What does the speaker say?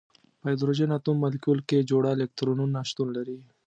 په هایدروجن اتوم مالیکول کې جوړه الکترونونه شتون لري.